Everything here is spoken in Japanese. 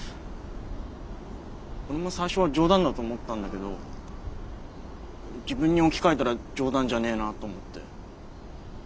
俺も最初は冗談だと思ったんだけど自分に置き換えたら冗談じゃねえなと思って。